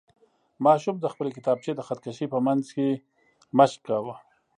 ماشوم د خپلې کتابچې د خط کشۍ په منځ کې مشق کاوه.